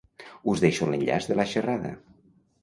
Us deixo l'enllaç de la xerrada.